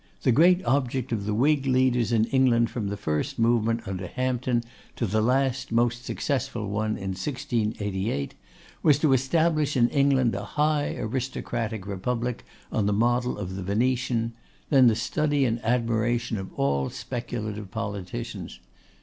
'The great object of the Whig leaders in England from the first movement under Hampden to the last most successful one in 1688, was to establish in England a high aristocratic republic on the model of the Venetian, then the study and admiration of all speculative politicians.